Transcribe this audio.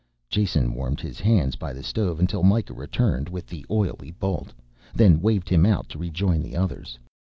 Jason warmed his hands by the stove until Mikah returned with the oily bolt, then waved him out to rejoin the others.